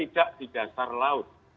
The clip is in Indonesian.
tidak di dasar laut